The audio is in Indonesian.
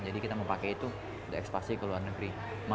jadi kita mau pakai itu untuk ekspansi ke luar negeri